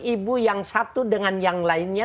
ibu yang satu dengan yang lainnya